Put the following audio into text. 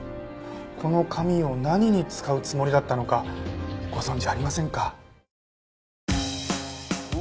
この紙を何に使うつもりだったのかご存じありませんか？